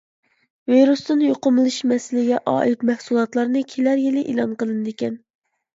ۋىرۇستىن يۇقۇملىنىش مەسىلىگە ئائىت مەھسۇلاتلارنى كېلەر يىلى ئېلان قىلىنىدىكەن.